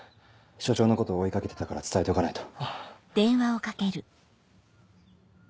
署長のことを追い掛けてたから伝えておかないと。